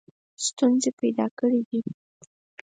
ستونزې پیدا کړي دي.